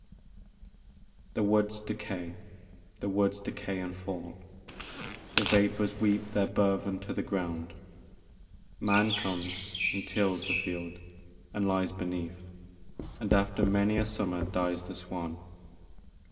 <> The woods decay, the woods decay and fall, The vapors weep their burthen to the ground, Man comes and tills the field and lies beneath, And after many a summer dies the swan.